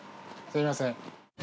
すみません。